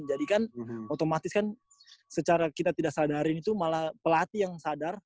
jadi kan otomatis kan secara kita tidak sadarin itu malah pelatih yang sadar